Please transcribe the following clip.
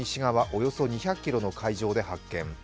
およそ２００ｋｍの海上で発見。